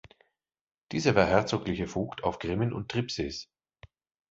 Dieser war herzoglicher Vogt auf Grimmen und Tribsees.